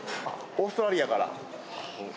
オーストラリアから。